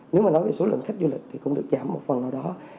nếu mà nói về số lượng khách du lịch thì cũng được giảm một phần nào đó